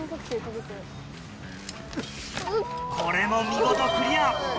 これも見事クリア。